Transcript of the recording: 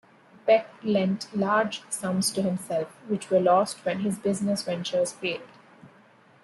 Peck lent large sums to himself, which were lost when his business ventures failed.